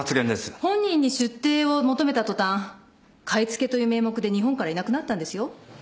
本人に出廷を求めた途端買い付けという名目で日本からいなくなったんですよ。